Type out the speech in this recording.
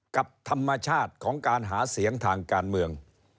กับธรรมชาติของการหาเสียงทางการเมือง